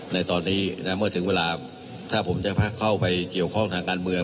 ในตอนนี้เมื่อถึงเวลาถ้าผมจะเข้าไปเกี่ยวข้องทางการเมือง